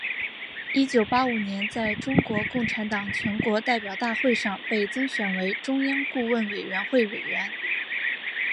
一九八五年在中国共产党全国代表大会上被增选为中央顾问委员会委员。